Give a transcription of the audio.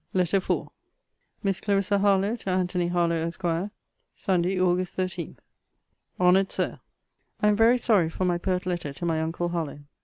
LETTER IV MISS CL. HARLOWE, TO ANTONY HARLOWE, ESQ. SUNDAY, AUG. 13. HONOURED SIR, I am very sorry for my pert letter to my uncle Harlowe.